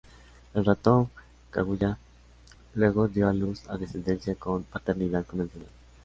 El ratón Kaguya luego dio a luz a descendencia con paternidad convencional.